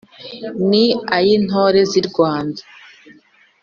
Ni ay’intore z’i Rwanda